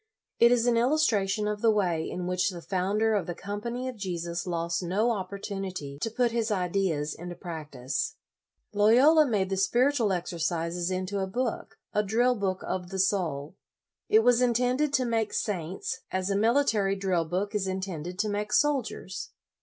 It is an illustration of the way in which the founder of the Com pany of Jesus lost no opportunity to put his ideas into practice. Loyola made the Spiritual Exercises into a book, a drill book of the soul. It was intended to make saints, as a military drill book is intended to make soldiers.